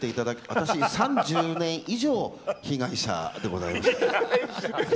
私、３０年以上被害者でございます。